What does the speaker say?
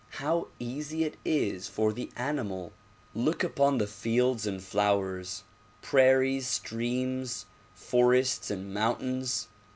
How easy it is for the animal. Look upon the fields and flowers, prairies, streams, forests and mountains.